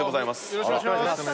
よろしくお願いします。